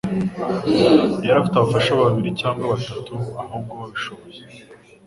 Yari afite abafasha babiri cyangwa batatu ahubwo babishoboye